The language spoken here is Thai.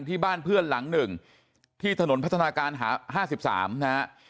ที่บ้านเพื่อนหลังหนึ่งที่ถนนพัฒนาการ๕๓นะฮะ